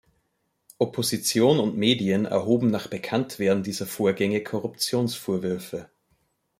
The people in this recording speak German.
Opposition und Medien erhoben nach Bekanntwerden dieser Vorgänge Korruptionsvorwürfe.